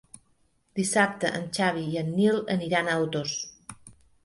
Dissabte en Xavi i en Nil aniran a Otos.